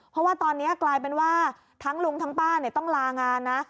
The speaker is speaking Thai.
เพราะว่าตอนนี้กลายเป็นว่าทั้งลุงทั้งป้าต้องลางานนะ